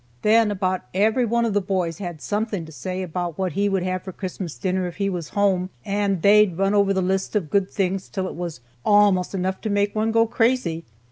Then about every one of the boys had something to say about what he would have for Christmas dinner if he was home, and they'd run over the list of good things till it was almost enough to make one go crazy.